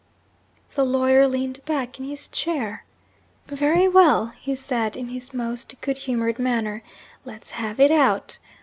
The lawyer leaned back in his chair. 'Very well,' he said, in his most good humoured manner. 'Let's have it out.